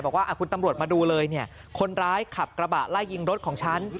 บอกว่าคุณตำรวจมาดูเลยเนี่ยคนร้ายขับกระบะไล่ยิงรถของฉัน